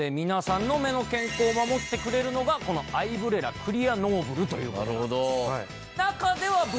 皆さんの目の健康を守ってくれるのがこのアイブレラクリアノーブルということなんです。